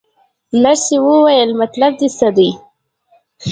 نرسې وویل: مطلب دې څه دی؟